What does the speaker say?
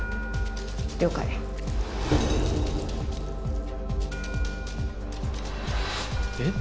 了解えっ！？